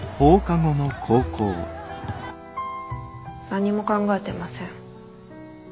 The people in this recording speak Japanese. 何も考えてません。